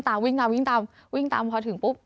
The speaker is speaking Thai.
ตามวิ่งตามพอถึงปุ๊บ